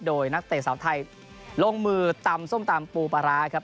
โดยนักเตะสาวไทยลงมือตำส้มตำปูปลาร้าครับ